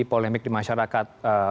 polemik di masyarakat